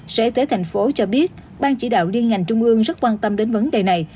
sở y tế thành phố cho biết bang chỉ đạo liên ngành trung ương rất quan tâm đến vấn đề này